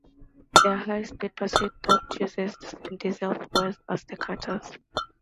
Their high-speed pursuit boat uses the same diesel fuel as the cutters.